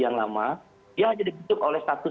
yang lama dia hanya dibutuhkan oleh status